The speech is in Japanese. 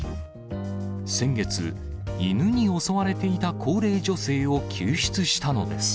先月、犬に襲われていた高齢女性を救出したのです。